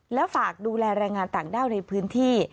และฝากดูแลแรงงานต่างด้าวในพื้นที่